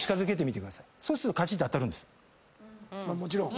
もちろん。